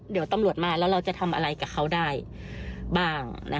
เดี๋ยวตำรวจมาแล้วเราจะทำอะไรกับเขาได้บ้าง